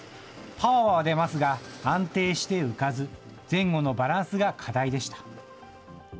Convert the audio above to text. パワーは出ますが、安定して浮かず、前後のバランスが課題でした。